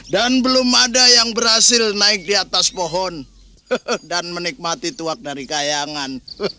dan belum ada yang berhasil naik di atas pohon dan menikmati tuak dari kayangan